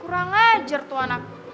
kurang ajar tuh anak